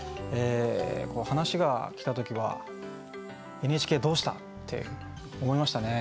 話が来た時は「ＮＨＫどうした？」って思いましたね。